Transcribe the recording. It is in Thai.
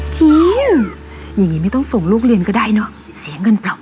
จริงอย่างนี้ไม่ต้องส่งลูกเรียนก็ได้เนอะเสียเงินเปล่า